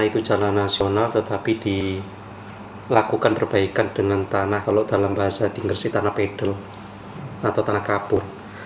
tapi dilakukan perbaikan dengan tanah kalau dalam bahasa di gresik tanah pedel atau tanah kapur